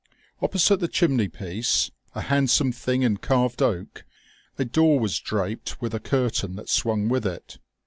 Opposite the chimney piece, a handsome thing in carved oak, a door was draped with a curtain that swung with it.